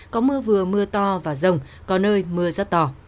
có mưa vừa mưa to và rông có nơi mưa rất to